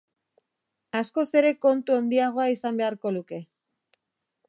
Askoz ere kontu handiagoa izan beharko luke.